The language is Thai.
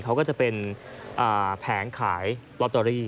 เขาก็จะเป็นแผงขายลอตเตอรี่